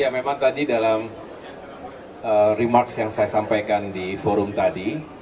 ya memang tadi dalam remarks yang saya sampaikan di forum tadi